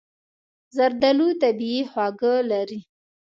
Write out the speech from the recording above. زردالو طبیعي خواږه لري.